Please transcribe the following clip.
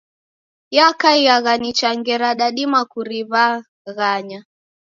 Yakaiagha nicha ngera dadima kuriw'aghanya.